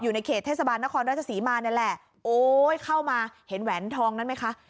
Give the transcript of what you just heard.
อยู่ในเขตเทศบาลนครราชศรีมานี่แหละโอ้ยเข้ามาเห็นแหวนทองนั้นไหมคะ